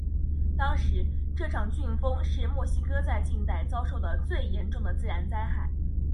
当时这场飓风是墨西哥在近代遭受的最严重的自然灾害。